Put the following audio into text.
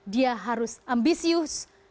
dia harus ambisius